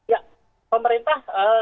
ya pemerintah ee